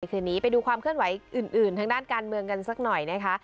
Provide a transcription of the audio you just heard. คืนนี้ไปดูความเคลื่อนไหวอื่นทางด้านการเมืองกันสักหน่อยนะคะ